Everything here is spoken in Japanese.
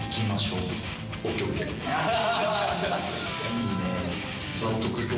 いいねえ。